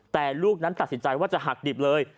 แต่ลูกนั้นตัดสินใจว่าจะหักดิบเลย